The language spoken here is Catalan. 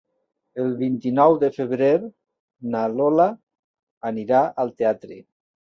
El vint-i-nou de febrer na Lola anirà al teatre.